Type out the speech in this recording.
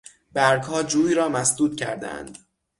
برگها جوی را مسدود کردهاند.